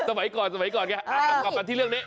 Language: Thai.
สมัยก่อนแค่กลับกลับไปที่เรื่องนี้